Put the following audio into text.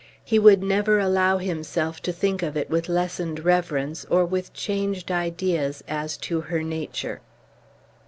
He would never allow himself to think of it with lessened reverence, or with changed ideas as to her nature.